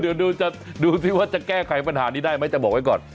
เดี๋ยวดูจะดูสิว่าจะแก้ไขปัญหานี้ได้ไหมจะบอกไว้ก่อน